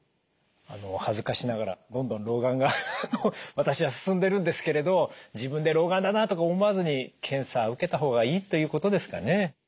あの恥ずかしながらどんどん老眼が私は進んでるんですけれど自分で老眼だなとか思わずに検査受けた方がいいということですかね？